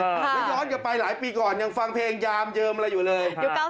แล้วย้อนกลับไปหลายปีก่อนยังฟังเพลงยามเจิมอะไรอยู่เลย